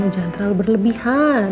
kamu jangan terlalu berlebihan